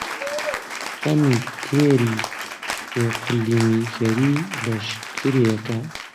خەمی تیری ئیقلیمگیری لەشکرێکە،